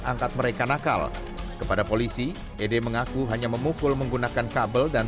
angkat mereka nakal kepada polisi ede mengaku hanya memukul menggunakan kabel dan